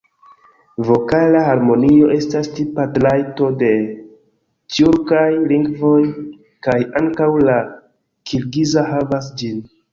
Vokala harmonio estas tipa trajto de tjurkaj lingvoj, kaj ankaŭ la kirgiza havas ĝin.